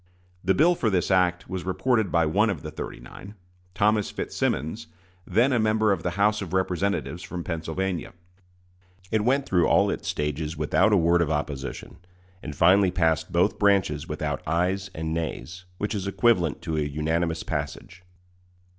The bill for this act was reported by one of the "thirty nine" Thomas Fitzsimmons, then a member of the House of Representatives from Pennsylvania. It went through all its stages without a word of opposition, and finally passed both branches without ayes and nays, which is equivalent to a unanimous passage.